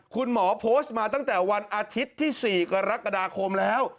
คุณหมอโพสต์มาตั้งแต่วันอาทิตย์ที่๔กรกฎาคมแล้ว